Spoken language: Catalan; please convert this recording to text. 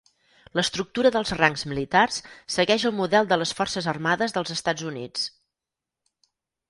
L'estructura dels rangs militars, segueix el model de les Forces Armades dels Estats Units.